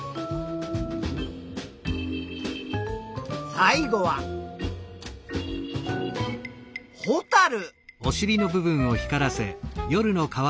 最後はホタル。